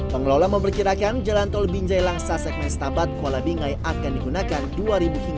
pengelola memperkirakan jalan tol bing jai langsa segmen setabat kuala bingai akan diperlukan untuk pengendara jalan tol ke luar di kuala bingai